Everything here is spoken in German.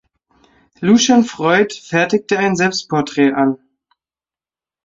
Lucian Freud fertigte ein Selbstporträt an.